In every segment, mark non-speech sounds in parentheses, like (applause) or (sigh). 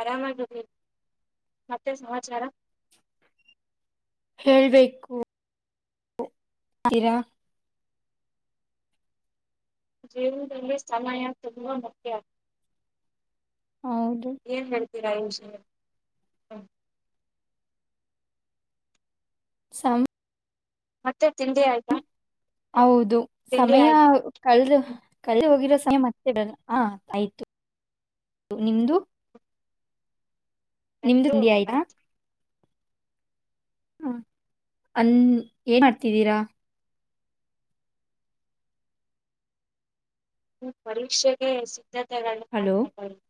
ಆರಾಮಾಗಿ ಮತ್ತೆ ಸಮಾಚಾರ ಹೇಳ್ಬೇಕು (unintelligible) ಜೀವನದಲ್ಲಿ ಸಮಯ ತುಂಬಾ ಮುಖ್ಯ ಹೌದು ಏನ್ ಹೇಳ್ತೀರಾ ಷ ಸಮ್ ಮತ್ತೆ ತಿಂಡಿ ಆಯ್ತಾ ಹೌದು ತಿಂಡಿ ಸಮಯ ಆಯ್ತಾ ಕಳದು ಕಲ್ದು ಹೋಗಿರೋ ಸಮಯ ಮತ್ತೆಲ್ಲ ಹ ಆಯ್ತು ನಿಮ್ದು ನಿಮ್ದು ನಂದು ತಿಂಡಿ ಆಯ್ತಾ ಆಯ್ತು ಹ್ಮ ಅನ್ ಏನ್ ಮಾಡ್ತಿದ್ದೀರಾ ಪರೀಕ್ಷೆಗೆ ಸಿದ್ಧತೆಗ ಹಲೋ (unintelligible)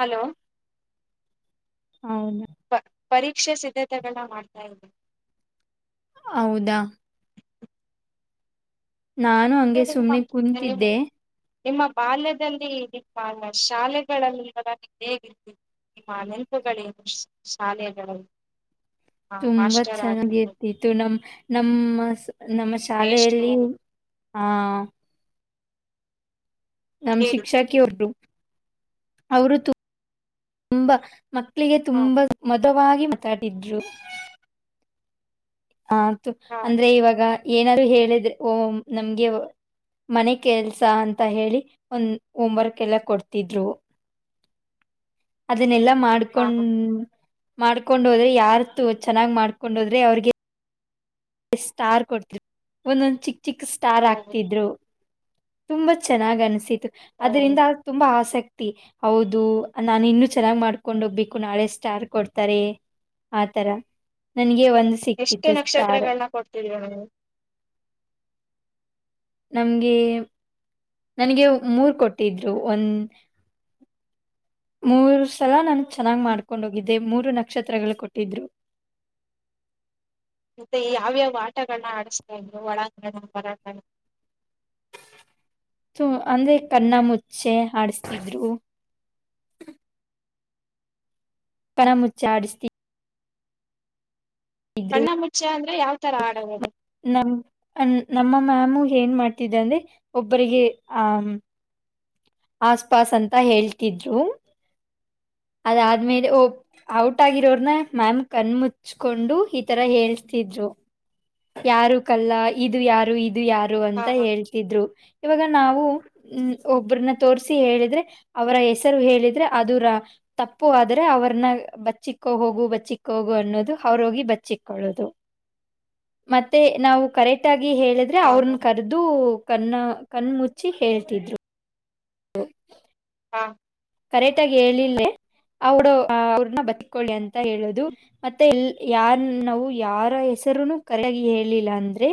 ಹಲೋ ಹೌದು ಪ ಪರೀಕ್ಷೆ ಸಿದ್ಧತೆಗಳನಾ ಮಾಡ್ತಾ ಇದ್ದೆ ಹೌದಾ ನಾನು ಹಂಗೆ ಸುಮ್ನೆ ನಿಮ್ಮ ಕುೂಂತಿದ್ದೆ ನಿಮ್ಮ ಬಾಲ್ಯದಲ್ಲಿ ನಿಮ್ಮ ಶಾಲೆಗಳಲ್ಲಿ ಹೇಗಿರ್ತ್ತುತ್ತು ನಿಮ್ಮ ಅನಂತಗಳೇನು ಶಾ ಶಾಲೆಗಳಲ್ಲಿ ತುಂಬಾ ಮಾಸ್ಟರ್ ಚೆನ್ನಾಗಿರ್ತಿ ಆಗಿರ್ಬೋದು ಇದು ನಮ್ಮ ನಮ್ಮ ಸ ನಮ್ಮ ಶಾಲೆಯಲ್ಲಿ ಮೇಷ್ಟ್ರು ಆ ನಮ್ಮ ಹೇಳಿ ಶಿಕ್ಷಕಿಯವರು ಅವರು ತುಂ ತುಂಬಾ ಮಕ್ಕಳಿಗೆ ಹಾ ತುಂಬಾ ಮದವಾಗಿ ಮಾತಾಡಿದ್ರು ಮಾತು ಹಾ ಅಂದ್ರೆ ಇವಾಗ ಏನಾದರು ಹೇಳಿದ್ರೆ ಓ ನಮ್ಗೆ ಮನೆ ಕೆಲ್ಸ ಅಂತ ಹೇಳಿ ಒಂದ್ ಹೋಮ್ವರ್ಕ್ ಎಲ್ಲ ಕೊಡ್ತಿದ್ರು ಅದನ್ನೆಲ್ಲಾ ಹಾ ಮಾಡ್ಕೊಂಡ ಮಾಡ್ಕೊಂಹೋದ್ರೆ ಯಾರ್ ತು ಚೆನ್ನಾಗ್ ಮಾಡ್ಕೊಂಡು ಹೋದ್ರೆ ಅವ್ರಿಗೆ ಸ್ಟಾರ್ ಕೊ ಕೋಡ್ತಿದ್ರು ಒಂದೊಂದ್ ಚಿಕ್ ಚಿಕ್ ಸ್ಟಾರ್ ಹಾ ಆಕ್ತಿದ್ರು ತುಂಬಾ ಚೆನ್ನಾಗ್ ಅನ್ಸಿತು ಹ್ಮ್ ಅದ್ರಂದ ತುಂಬಾ ಆಸಕ್ತಿ ಹೌದು ನಾನಿನ್ನು ಚೆನ್ನಾಗ್ ಮಾಡ್ಕೊಂಡ್ ಹೋಗ್ಬೇಕು ನಾಳೆ ಸ್ಟಾರ್ ಕೊಡ್ತಾರೆ ಆತರ ನನ್ಗೆ ಒಂದ ಎಷ್ಟು ನಕ್ಷತ್ರಗಳನ್ನ ಕೊಡ್ತಿದೀ (unintelligible) ನಮ್ಗೆ ನನಗೆ ಮೂರ್ ಕೊಟ್ಟಿದ್ರು ಒಂದ ಮೂರು ಸಲ ನಾನು ಚೆನ್ನಾಗ್ ಮಾಡ್ಕೊಂಡ್ ಹೋಗಿದ್ದೆ ಮೂರು ನಕ್ಷತ್ರಗಳು ಕೊಟ್ಟಿದ್ರು ಮತ್ತೆ ಯಾವ್ಯಾವ ಆಟಗಳನ್ನ ಆಡಿಸ್ತಾ ಇದ್ರು ಒಳಾಂಗಣ ಹೊರಾಂಗಣ ಅಂದ್ರೆ ಕನ್ನ ಮುುಚ್ಚೆ ಆಡಿಸತಿದ್ರು ಪರಮುಚ್ಚಾಡಿಸ್ತಿ ಕಣ್ಣ ಮುಚ್ಚ ಅಂದ್ರೆ ಯಾವ್ ತರ ಆಡದು ನಮ ನಮ್ಮ ಮ್ಯಾಮು ಏನ್ ಮಾಡ್ತಿದ್ದ ಅಂದ್ರೆ ಒಬ್ಬರಿಗೆ ಆ ಆಸ್ಪಾಸ್ ಅಂತ ಹೇಳ್ತಿದ್ರು ಆದ್ಮೇಲೆ ಓ ಔಟ್ ಆಗಿರೋರ್ನ ಮ್ಯಾಮ್ ಕಣ್ ಮುಚ್ಕೊಂಡು ಈತರ ಹೇಳ್ತಿದ್ರು. ಯಾರು ಕಲ್ಲ ಇದು ಯಾರು ಇದು ಯಾರು ಹಾ ಅಂತ ಹೇಳ್ತಿದ್ರು ಇವಾಗ ನಾವು ಹ್ಮ್ ಒಬ್ರನ್ನ ತೋರ್ಸಿ ಹೇಳಿದ್ರೆ ಅವರ ಹೆಸರು ಹೇಳಿದ್ರೆ ಅದುರಾ ತಪ್ಪು ಆದ್ರೆ ಅವ್ರನ್ನ ಬಚ್ಚಿಕ್ಕೋ ಹೋಗು ಬಚ್ಚಿಕ್ಕೊ ಹೋಗು ಅನ್ನೋದು ಅವ್ರೋಗಿ ಬಚ್ಚಿಕೊಳ್ಳೋದು. ಮತ್ತೆ ನಾವು ಕರೆಕ್ಟ್ ಆಗಿ ಹೇಳಿದ್ರೆ ಹಾ ಹಾ ಅವ್ರನ್ ಕರ್ ದು ಕಣ್ಣ ಕಣ್ ಮುುಚ್ಚಿ ಹೇಳ್ತಿದ್ರು. ಉ ಹಾ ಕರೆಕ್ಟ್ ಆಗಿ ಹೇಳಿಲ್ಲೇ ಅವರು ಅವ್ರನ್ನ ಬಚಿಕೊಳ್ಳಿ ಅಂತ ಹೇಳೋದು. ಮತ್ತೆಲ್ ಯಾರ್ ನಾವು ಯಾರ ಹೆಸರುನು ಕರಾಗಿ ಹೇಳಿಲ್ಲ ಅಂದ್ರೆ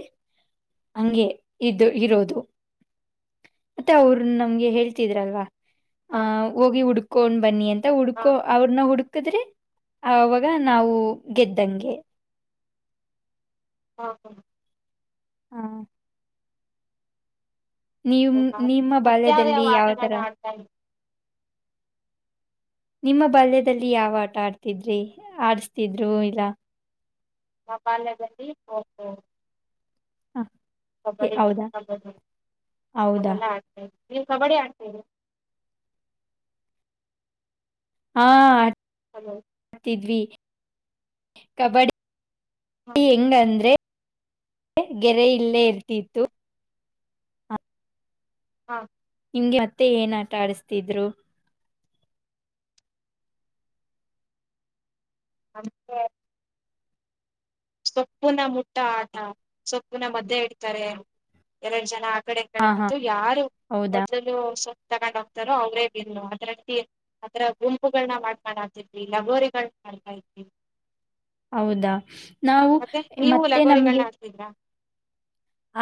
ಹಂಗೆ ಇದ್ ಇರೋದು ಮತ್ತೆ ಅವ್ರು ನಮ್ಗೆ ಹೇಳ್ತಿದ್ರಲ್ವಾ ಆ ಹಾ ಹೋಗಿ ಹುಡ್ಕೊಂಡ್ ಬನ್ನಿ ಅಂತ ಹಾ ಹುಡ್ಕೋ ಅವ್ರನ್ನ ಹುಡು ಕದ್ರೆ ಆವಾಗ ನಾವು ಗೆದ್ದಂಗೆ. ಹಾ ಹಾ ಹ್ಮ್ ನೀವು ಹಾ ನಿಮ್ಮ ಬಾಲ್ಯದಲ್ಲಿ ಮತ್ಯಾವ್ಯಾವ ಯಾವ ತರ ಆಟಗಳನ್ನ ಆಡ್ತಾ ಇದ್ರು ನಿಮ್ಮ ಬಾಲ್ಯದಲ್ಲಿ ಯಾವ ಆಟ ಆಡ್ತಿದ್ರಿ ಆಡ್ಸ್ತಿದ್ರು ಇಲ್ಲ ನಮ್ ಬಾಲ್ಯದಲ್ಲಿ (unintelligible) ಹ್ಮ್ ಕಬಡ್ಡಿ ಕಡ್ (unintelligible) ಹೌದಾ ಅದೆಲ್ಲ ಆಡ್ತ ನೀವು ಕಬಡ್ಡಿ ಆಡ್ತೀರಿ. ಹಾ ಹಲೋ ತಿದ್ವಿ ಕಬಡಿ ಹಾ ಹಂಗಂದ್ರೆ ಗೆರೆ ಇಲ್ಲೇ ಇರ್ತಿತ್ತು. ಆ, ಹಾ ನಿಮ್ಗೆ ಮತ್ತೆ ಏನ್ ಆಟ ಆಡಿಸ್ತಿದ್ರು. (unintelligible) ಸೊಪ್ಪುನ ಮುಟ್ಟ ಆಟ ಸೊಪ್ಪುನ ಮದ್ಯೆ ಇಡ್ತಾರೆ ಎರಡು ಜನ ಆ ಕಡೆ ಹಾ ಮೇಡಂ ಹಾ ಬಂತ ಯಾರು ಹೌದಾ ಮೊದಲು ಸೋಪ್ಪ್ ತಗೊಂಡ್ ಹೋಗ್ತಾರೋ ಅವರೇ ವಿನ್ನು (unintelligible) ಅದರ ಗುಂಪುಗಳನ್ನ ಮಾಡ್ಕೊಂಡ್ ಆಡ್ತಿದ್ವಿ ಲಗೋರಿಗಳ್ ಮಾಡ್ತಾ ಇದ್ವಿ. ಹೌದಾ ನಾವು ಮತ್ತೆ ನಮ್ಗೆ ತಿದ್ರಾ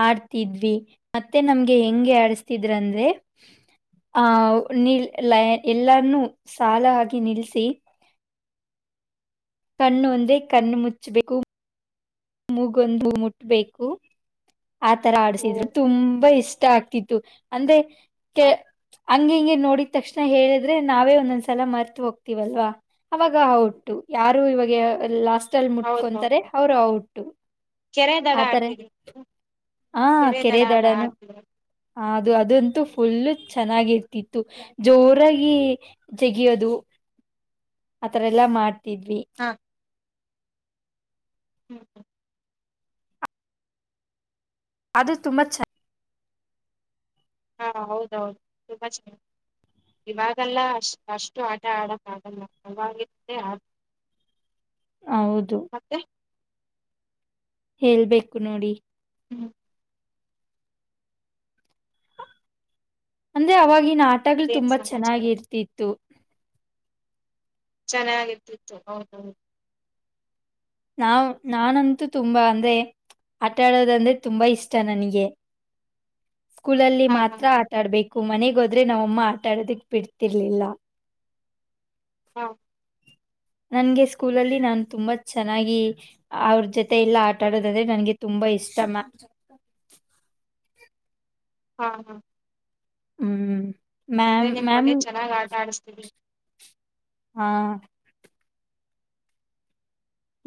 ಆಡ್ತಿದ್ವಿ ಮತ್ತೆ ನಮ್ಗೆ ಹೆಂಗೆ ಆಡ್ಸ್ತಿದ್ರ್ ಅಂದ್ರೆ ಆ ನಿಲ್ ಎಲ್ಲಾರ್ನೂ ಸಾಲಾಗಿ ನಿಲ್ಸಿ. ಕಣ್ಣು ಒಂದ್ರೆ ಕಣ್ಣು ಮುಚ್ಚಬೇಕು. ಮೂಗೊಂದು ಮುಟ್ಬೇಕು ಆತರ ಓ ಆಡ್ಸಿ ದ್ರು ತುಂಬಾ ಇಷ್ಟ ಆಗ್ತಿ ಅಂದ್ರೆ ಕೆ ಹಂಗ್ ಹಿಂಗೆ ನೋಡಿ ತಕ್ಷಣ ಹೇಳಿದ್ರೆ ನಾವೇ ಒಂದೊಂದ್ಸಲ ಮರ್ತ್ ಹೋಗ್ತೀವಲ್ವ. ಅವಾಗ ಔಟ್ಟು ಯಾರು ಇವಾಗ ಲಾಸ್ಟ್ ಅಲ್ಲಿ ಮುಟ್ಕೊಂತಾರೆ ಹೌದೌದು ಅವ್ರು ಔಟ್ ಕೆರೆ ದಡ ಆಡ್ತಾರೆ ಆಡ್ತಿದ್ವಿ ಹ ಕೆರೆ ದಡ ದಡನು ಆಡ್ತಿದ್ವಿ ಅದು ಅದಂತೂ ಫುಲ್ಲು ಚೆನ್ನಾಗಿರ್ತಿತ್ತು ಜೋರಾಗಿ ಜಗಿಯೋದು ಆತರ ಎಲ್ಲಾ ಮಾಡ್ತಿದ್ವಿ. ಹಾ ಹ್ಮ್ ಹ್ಮ್ ಅದು ತುಂಬಾ ಚೆನ್ನ ಹಾ ಹೌದೌದು ತುಂಬಾ ಚೆನ್ನಾಗಿ ಇವಾಗೆಲ್ಲ ಅಷ್ಟ ಅಷ್ಟು ಆಟ ಆಡಕ್ ಆಗಲ್ಲ ಅವ ಹೌದು ಮತ್ತೆ ಹೇಳ್ಬೇಕು ನೋಡಿ ಹ್ಮ್ ಅಂದ್ರೆ ಅವಾಗಿನ ಆಟಗಳು ಏನ್ ತುಂಬಾ ಸಮಾಚಾರ ಚೆನ್ನಾಗಿರ್ತಿತ್ತು ಚೆನ್ನಾಗಿರ್ತಿತ್ತು ಹೌದೌ ನಾವ್ ನಾನಂತೂ ತುಂಬಾ ಅಂದ್ರೆ ಆಟ ಆಡೋದಂದ್ರೆ ತುಂಬಾ ಇಷ್ಟ ನನಗೆ ಸ್ಕೂಲಲ್ಲಿ ಹಾ ಹಾ ಮಾತ್ರ ಹಾ ಆಟಾಡ್ಬೇಕು ಮನೆಗೋದ್ರೆ ನಾವಮ್ಮ ಆಟಾಡದಕ್ ಬಿಡ್ತಿರ್ಲಿಲ್ಲ ಹಾಂ ನನ್ಗೆ ಸ್ಕೂಲಲ್ಲಿ ನಾನು ತುಂಬಾ ಚೆನ್ನಾಗಿ ಅವ್ರ ಜೊತೆ ಎಲ್ಲ ಆಟಾಡೋದಂದ್ರೆ ನನ್ಗೆ ತುಂಬಾ ಇಷ್ಟ ಹಾ ಹಾ ಹ್ಮ್ ಅಂದರೆ ನಿಮಗೆ ಒಳ್ಳೆ ಚೆನ್ನಾಗಿ ಆಟ ಆಡಿಸ್ತೀನವಿ ಹಾ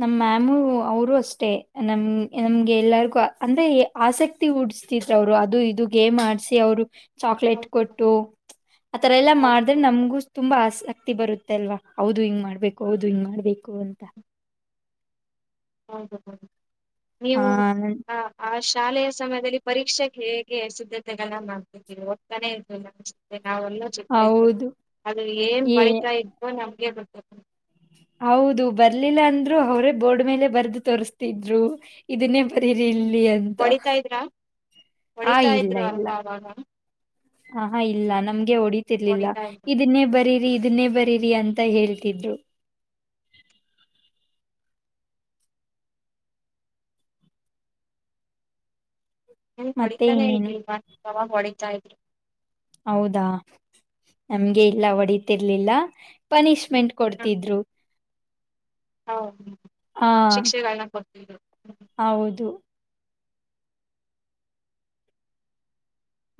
ನಮ್ ಮ್ಯಾಮು ಅವರು ಅಷ್ಟೇ ನಮ್ ನಮ್ಗೆ ಎಲ್ಲಾರ್ಗೂ ಅಂದ್ರೆ ಆಸಕ್ತಿ ಉಡ್ಸ್ತಿತ್ ಅವ್ರು ಅದು ಇದು ಗೇಮ್ ಆಡ್ಸಿ ಅವರು ಚಾಕ್ಲೇಟ್ ಹೌದು ಕೊಟ್ಟು ಆಥರ ಎಲ್ಲಾ ಹೌದು ಮಾಡಿದ್ರೆ ನಮಗು ತುಂಬಾ ಆಸಕ್ತಿ ಬರುತ್ತೆ ಅಲ್ವಾ ಹೌದು ಹಿಂಗ್ ಮಾಡ್ಬೇಕು ಹೌದು ಹಿಂಗ್ ಮಾಡ್ಬೇಕು ಅಂತ ಹೌದು ಹೌದು ಹಾ ನೀವು ನನ್- ಹಾಂ ಆ ಶಾಲೆಯ ಸಮಯದಲ್ಲಿ ಪರೀಕ್ಷೆಗೆ ಹೇಗೆ ಸಿದ್ಧತೆಗಳನ್ನ ಮಾಡ್ತಿದ್ದೀವಿ ಹೋಗ್ತಾನೆ ಇರ್ಲಿಲ್ಲ ಮತ್ತ ನಾವೆಲ್ಲೂ ಚೆಕ್ತೇವೆ ಹೌದು ಅದು ಏನ್ ಏ ಬರಿತಾ ಇದೋ ನಮ್ಗೆ ಗೊತ್ತ ಹೌದು ಬರ್ಲಿಲ್ಲ ಅಂದ್ರು ಅವ್ರೇ ಬೋರ್ಡ್ ಮೇಲೆ ಬರ್ದು ತೋರ್ಸ್ತಿದ್ರು ಇದನ್ನೇ ಬರೀರಿ ಇಲ್ಲಿ ಅ ಒಡಿತಾ ಇದ್ರಾ ಒಡಿತಾ ಇದ್ರು ಅಲ್ವಾವಾಗ ಹ ಹಾ ಇಲ್ಲ ನಮ್ಗೆ ಹೊಡತಿರ್ಲಿಲ್ಲ ಇದ್ರು ಇದನ್ನೇ ಬರೀರಿ ಇದನ್ನೇ ಬರಿ ರಿ ಅಂತ ಹೇಳ್ತಿದ್ರು ಹ ಮತ್ತೆ ಹೊಡಿತಾನೆ ಐ ಇನ್ನೇನು ಇವ ಅವಾವಾಗ ಹೊಡಿತಾ ಇದ್ರಿ ಹೌದಾ ನಮ್ಗೆ ಇಲ್ಲ ಹ್ಮ್. ಹೊಡತಿರ್ಲಿಲ್ಲ ಪನಿಷ್ಮೆಂಟ್ ಕೊಡ್ತಿದ್ರು ಹೌ ಆ ಶಿಕ್ಷೆಗಳನ್ನ ಕೊಡ್ತಿದ್ದವಿ ಹೌದು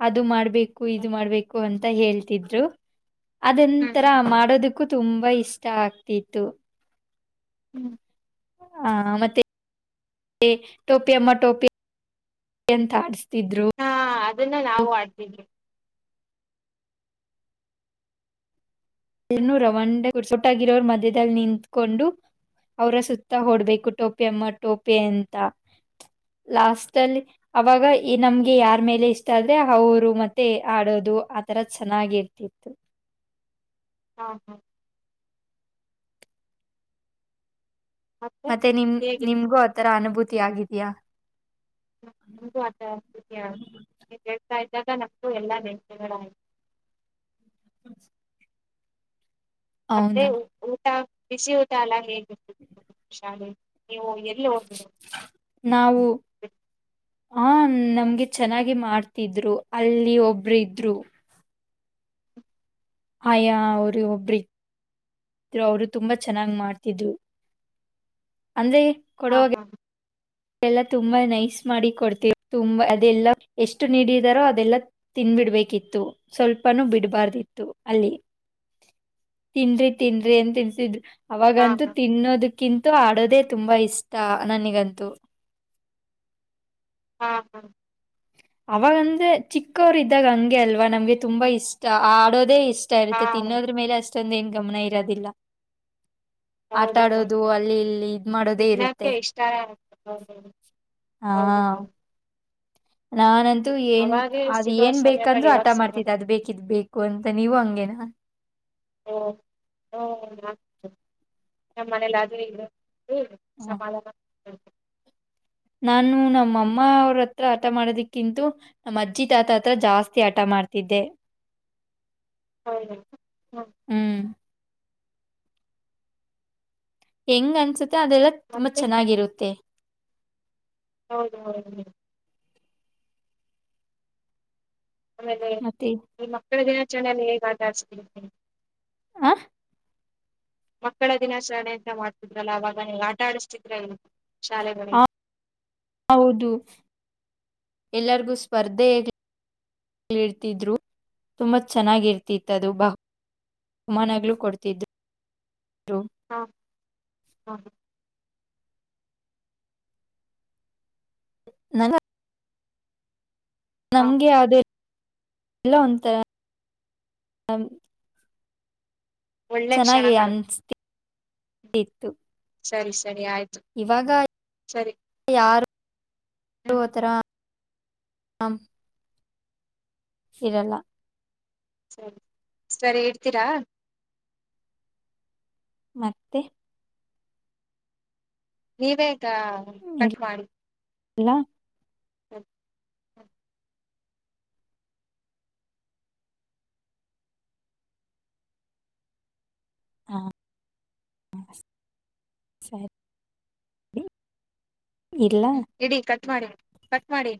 ಅದು ಮಾಡ್ಬೇಕು ಇದು ಮಾಡ್ಬೇಕು ಅಂತ ಹೇಳ್ತಿದ್ರು ಹ್ಮ್ ಅದಂತರ ಹ್ಮ್ ಮಾಡೋದಕ್ ತುಂಬಾ ಇಷ್ಟ ಆಗ್ತಿತ್ತು ಹ್ಮ್ ಹಾ ಮತ್ತೆ ಟೋಪಿ ಅಮ್ಮ ಟೋಪಿ ಎಂತ ಆಡ್ಸತಿದ್ರು ಹಾ ಅದನ್ನ ನಾವು ಆಡ್ತಿದ್ವಿ ರವಂಡ ಸೋಟಾಗಿರೋರು ಮಧ್ಯದಲ್ಲಿ ನಿಂತ್ಕೊಂಡು ಅವ್ರ ಸುತ್ತ ಹೊಡ್ಬೇಕು ಟೋಪಿ ಅಮ್ಮ ಟೋಪಿ ಅಂತ ಲಾಸ್ಟ್ ಅಲ್ಲಿ ಅವಾಗ ಈ ನಮ್ಗೆ ಯಾರ ಮೇಲೆ ಇಷ್ಟ ಆದ್ರೆ ಅವರು ಮತ್ತೆ ಆಡೋದು ಆತರ ಚೆನ್ನಾಗಿರ್ತಿತ್ತು ಹಾಂ ಹಾಂ ಮತ್ತೆ ನಿಮ್ ಹೇಗಿತ್ತು ನಿನ್ಗೂ ಆತರ ಅನುಭೂತಿ ಆಗಿದ್ಯಾ. (unintelligible) ಹೇಳ್ತಾ ಇದ್ದಾಗ ನನ್ಗು ಎಲ್ಲಾ (unintelligible) ಹ್ಮ ಮತ್ತೆ ಊಟ ಬಿಸಿ ಊಟ ಎಲ್ಲಾ ಹೇಗಿರ್ತತ್ ಶಾಲೇಲಿ ನೀವು ಎಲ್ಲಿ ಹೋಗ್ಬೇಕ್ ನಾವು ಹಾ ನಮ್ಗೆ ಚೆನ್ನಾಗಿ ಮಾಡ್ತಿದ್ರು ಅಲ್ಲಿ ಒಬ್ಬ್ರು ಇದ್ರು. ಆಯಾ ಅವ್ರ ಒಬ್ಬ್ರಿ ದ್ರು ಅವ್ರು ತುಂಬಾ ಚೆನ್ನಾಗ್ ಮಾಡ್ತಿದ್ರು ಅಂದ್ರೆ ಹಾ ಕೊಡುವಾಗ ಹಾ. ಎಲ್ಲ ತುಂಬಾ ನೈಸ್ ಮಾಡಿ ಕೊಡ್ತೀ ತುಂಬಾ ಅದೆಲ್ಲ ಎಷ್ಟು ನೀಡಿದಾರೋ ಅದೆಲ್ಲ ತಿನ್ಬಿಡ್ಬೇಕಿತ್ತು ಸ್ವಲ್ಪನೂ ಬಿಡ್ಬಾರ್ದಿತ್ತು ಅಲ್ಲಿ. ತಿನ್ರಿ ತಿನ್ರೀ ಅಂತ ತಿನ್ಸಿದ್ರು. ಹಾ ಅವಾಗಂತೂ ಹಾ ತಿನ್ನೋದಕ್ಕಿಂತೂ ಆಡೋದೇ ತುಂಬಾ ಇಷ್ಟ ನನಿಗಂತು. ಹಾ ಹಾ. ಅವಾಗಂದ್ರೆ ಚಿಕ್ಕವರು ಇದ್ದಾಗ ಹಂಗೆ ಅಲ್ವಾ ನಮ್ಗೆ ತುಂಬಾ ಇಷ್ಟ ಆಡೋದೇ ಇಷ್ ಇಷ್ಟ ಹಾ ಇರುತ್ತೆ ತಿನ್ನೋದ್ರ ಮೇಲೆ ಅಷ್ಟೊಂದು ಏನ್ ಗಮನ ಇರದಿಲ್ಲ. ಆಟ ಹೌದು ಆಡೋದು ಹೌದು ಅಲ್ಲಿ ಇಲ್ಲಿ ಇದ್ಮಾಡೋದೇ ಇರುತ್ತೆ. ತಿನ್ನಕ್ಕೆ ಇಷ್ಟ ಆಗುತ್ತೆ. ಹೌದು ಹಾ. ಹೌದು ಹೌದು ನಾನಂತೂ ಏನ್ ಅವಾಗೆ ಅದ್ ಸಿಗೋ ಏನ್ ಸಮಯಗಳು ಬೇಕಂದ್ರು ಹಟ ಇವಾಗ ಸಿಗಲ್ಲ ಮಾಡ್ತಿದ್ದೆ ಅದ್ಬೇಕ್ ಕಿದ್ ಬೇಕು ಅಂತ ನೀವು ಹಂಗೇನಾ. ಓ (unintelligible) ನಮ್ಮನೇಲಿ ಅದು ಇಲ್ಲ. ಹ್ಮಂ ಹ. ಸಮಾಧಾನ (unintelligible) ನಾನು ನಮ್ಮಮ್ಮ ಅವ್ರ ಹತ್ರ ಹಟ ಮಾಡೋದಿಕ್ಕಿಂತೂ ನಮ್ಮ ಅಜ್ಜಿ ತಾತ ಹತ್ರ ಜಾಸ್ತಿ ಹಟ ಮಾಡ್ತಿದ್ದೆ. ಹೌದಾ ಹಾ. ಹ್ಮ್. ಹೆಂಗ್ ಅನ್ಸುತ್ತೆ ಅದೆಲ್ಲ ತುಂಬಾ ಮತ್ತೆ ಚೆನ್ನಾಗಿರುತ್ತೆ. ಹೌದು ಹೌದು ಹೌ ಆಮೇಲೆ ಮತ್ತೆ ಈ ಮಕ್ಕಳ ದಿನಾಚರಣೆೆಯಲ್ಲಿ ಹೇಗೆ ಆಟ ಆಡಿಸ್ತೀರಿ. ಆ. ಮಕ್ಕಳ ದಿನಾಚರಣೆ ಅಂತ ಮಾಡ್ತಿದ್ರಲ್ಲ ಅವಾಗ ನೀವ ಆಟ ಆಡಸ್ತಿದ್ರ ಇಲ್ಲ ಶಾಲೆನಲ್ಲಿ. ಹೌದು ಎಲ್ಲಾರಿಗೂ ಸ್ಪರ್ಧೆೆಗೆ ಇರ್ತಿದ್ರು ತುಂಬಾ ಚೆನ್ನಾಗಿ ಇರ್ತಿತ್ತದು ಬ ಮಾನಗ್ಲೂ ಕೊಡ್ತಿದ್ದು. ಹಾಂ ಹಾ ಹಾ. ನಂಗ ಹಾ ನಮ್ಗೆ ಯಾವ್ದೆ ಇಲ್ಲ ಅಂತೆ. ಒಳ್ಳೆ ಚೆನ್ನಾಗಿ ಕ್ಷಣಗಳು. ಅನ್ಸ್ತಿ ಇತ್ತು. ಸರಿ ಸರಿ ಆಯ್ ಇವಾಗ ಯಾರು ಹ್ಮ್ ಆತರ ಹಂ ಇರಲ್ಲ. ಸರಿ, ಸರಿ ಇಡ್ತೀರಾ. ಮತ್ತೆ. ನೀವೇಗ ಕಟ್ ಮಾಡಿ ಇಲ್ಲ ಹ ಹಾಂ ಹಾ ಸರಿಡಿ ಇಲ್ಲ ಇಡೀ ಕಟ್ ಮಾಡಿ ಕಟ್ ಮಾಡಿ